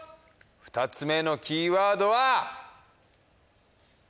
２つ目のキーワードは！